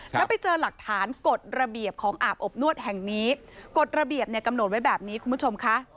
แล้วไปเจอหลักฐานกฎระเบียบของอาบอบนวดแห่งนี้กฎระเบียบเนี่ยกำหนดไว้แบบนี้คุณผู้ชมค่ะ